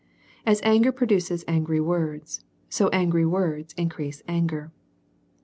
As anger produces angry words, so angry words in crease anger.